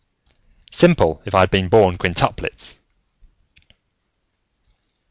"Simple, if I had been born quintuplets!"